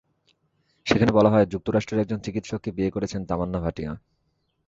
সেখানে বলা হয়, যুক্তরাষ্ট্রের একজন চিকিৎসককে বিয়ে করছেন তামান্না ভাটিয়া।